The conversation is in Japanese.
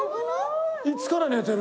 いつから寝てる？